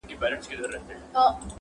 ما دي مخي ته کتلای،